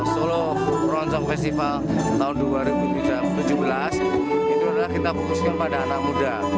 solo keroncong festival tahun dua ribu tujuh belas itu adalah kita fokuskan pada anak muda